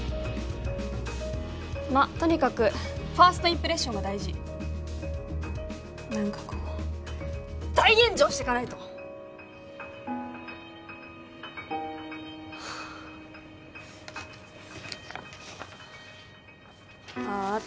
まっとにかくファーストインプレッションが大事何かこう大炎上してかないとはあああ